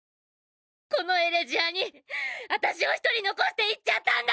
「このエレジアにあたしを１人残して行っちゃったんだ！」